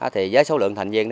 thì với số lượng thành viên